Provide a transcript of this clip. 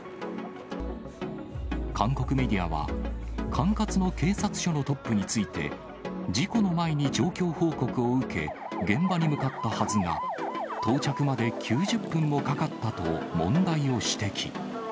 韓国メディアは、管轄の警察署のトップについて、事故の前に状況報告を受け、現場に向かったはずが、到着まで９０分もかかったと問題を指摘。